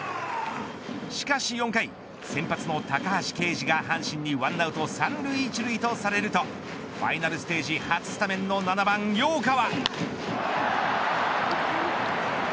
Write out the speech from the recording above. しかし４回、先発の高橋奎二が阪神に１アウト３塁１塁とされるとファイナルステージ初スタメンの７番陽川。